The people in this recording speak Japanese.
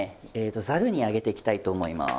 ざるに上げていきたいと思います。